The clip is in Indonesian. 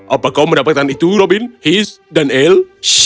apa kau mendapatkan itu robin hiss dan aile